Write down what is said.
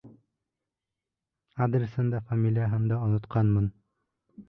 Адресын да, фамилияһын да онотҡанмын.